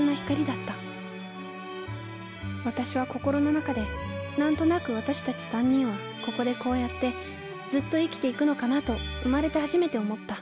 私は心の中で何となく私たち３人はここでこうやってずっと生きていくのかなと生まれて初めて思った。